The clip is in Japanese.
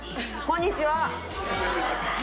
こんにちは。